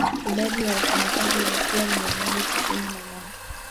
idadi ya wafanyakazi walikuwa mia nane tisini na nane